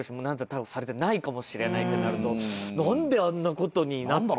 逮捕されてないかもしれないってなると何であんなことになっちゃうんだろうっていう。